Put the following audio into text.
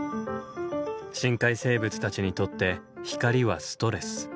深海生物たちにとって光はストレス。